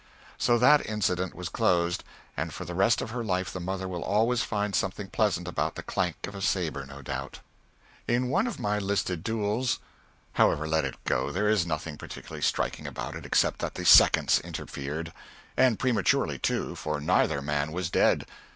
So that incident was closed; and for the rest of her life the mother will always find something pleasant about the clank of a sabre, no doubt. In one of my listed duels however, let it go, there is nothing particularly striking about it except that the seconds interfered. And prematurely, too, for neither man was dead.